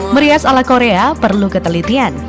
merias ala korea perlu ketelitian